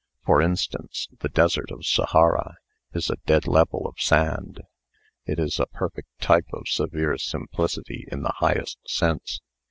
For instance: the desert of Sahara is a dead level of sand. It is a perfect type of severe simplicity in the highest sense.